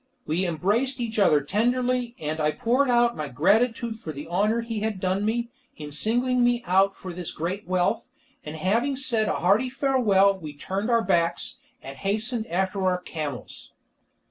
We embraced each other tenderly, and I poured out my gratitude for the honour he had done me, in singling me out for this great wealth, and having said a hearty farewell we turned our backs, and hastened after our camels.